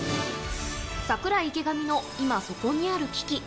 櫻井・池上の今そこにある危機。